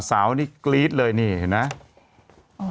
สาวนี่กรี๊ดเลยนี่เห็นไหม